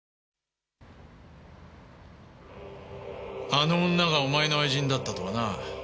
あの女がお前の愛人だったとはな。